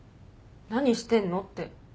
何してんの？って。